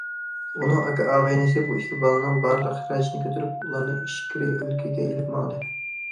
ئۇنىڭ ئاكا ئاغىنىسى بۇ ئىككى بالىنىڭ بارلىق خىراجىتىنى كۆتۈرۈپ، ئۇلارنى ئىچكىرى ئۆلكىگە ئېلىپ ماڭدى.